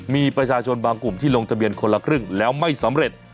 มีประชาชนบางกลุ่มที่ลงทะเบียนคนละครึ่งแล้วไม่สำเร็จ